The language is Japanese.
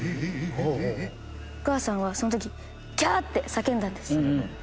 お母さんはその時キャーッ！って叫んだんですよ。